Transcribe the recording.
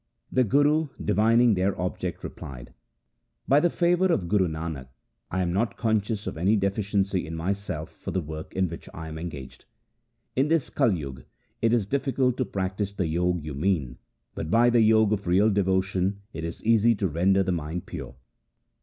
The Guru, divining their object, replied :' By the favour of Guru Nanak I am not conscious of any deficiency in myself for the work in which I am engaged. In this Kaljug it is difficult to practise the Jog you mean, but by the Jog of real devotion it is easy to render the mind pure.